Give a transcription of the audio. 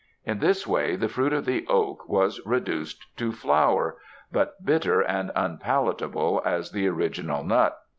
In this way the fruit of the oak was reduced to flour, 68 THE MOUNTAINS but bitter and unpalatable as the original nut.